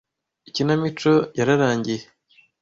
Ikinamico yararangiye.